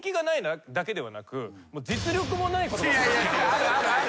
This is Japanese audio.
あるあるある。